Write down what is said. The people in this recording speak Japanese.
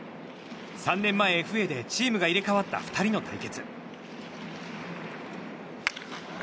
３年前、ＦＡでチームが入れ替わった２人の対決。